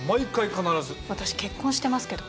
私結婚してますけど。